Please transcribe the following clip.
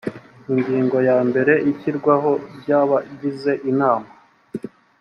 ingingo ya mbere ishyirwaho ry abagize inama